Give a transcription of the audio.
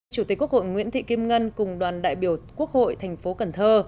chủ tịch quốc hội nguyễn thị kim ngân cùng đoàn đại biểu quốc hội thành phố cần thơ